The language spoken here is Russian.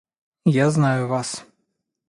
Я знаю вас.